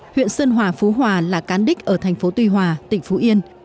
huyện sơn hòa phú hòa là cán đích ở thành phố tuy hòa tỉnh phú yên